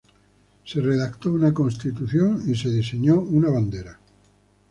Se redactó una constitución y se diseñó una bandera.